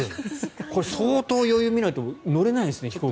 これ、相当余裕を見ないと乗れないですね、飛行機。